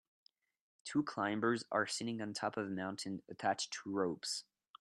Two climbers are sitting on top of a mountain attached to ropes